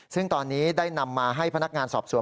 ซึ่งตอนนี้ได้นำมาให้พนักงานสอบสวน